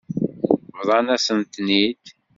Bḍant-asent-ten-id.